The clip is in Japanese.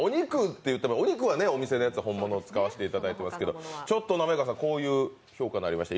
お肉はお店のやつ、本物を使わせていただいてますけどちょっと滑川さん、こういう評価になりました